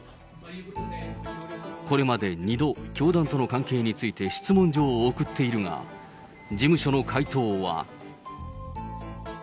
これまで２度、教団との関係について質問状を送っているが、事務所の回答は。